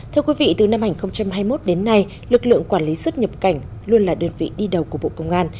thưa quý vị từ năm hai nghìn hai mươi một đến nay lực lượng quản lý xuất nhập cảnh luôn là đơn vị đi đầu của bộ công an